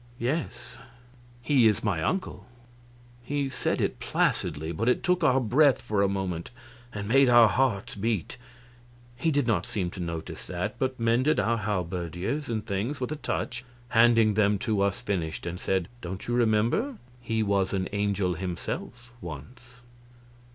"Yes he is my uncle." He said it placidly, but it took our breath for a moment and made our hearts beat. He did not seem to notice that, but mended our halberdiers and things with a touch, handing them to us finished, and said, "Don't you remember? he was an angel himself, once."